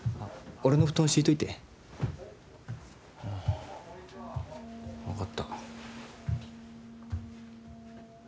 俺の布団敷いておいてああ分かった